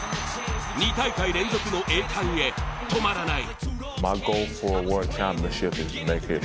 ２大会連続の栄冠へ、止まらない。